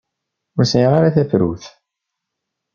Ur sɛiɣ ara tafrut.